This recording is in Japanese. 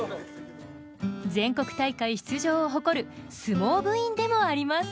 全国大会出場を誇る相撲部員でもあります。